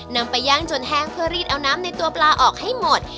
นำไปย่างจนแห้งเพื่อรีดเอาน้ำในตัวปลาออกให้หมด